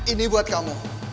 ini buat kamu